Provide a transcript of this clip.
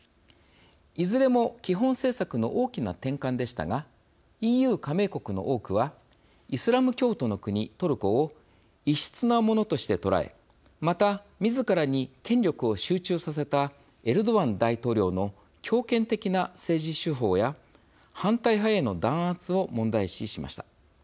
いずれも、基本政策の大きな転換でしたがＥＵ加盟国の多くはイスラム教徒の国、トルコを異質なものとして捉えまた、みずからに権力を集中させたエルドアン大統領の強権的な政治手法や反対派への弾圧を問題視しました。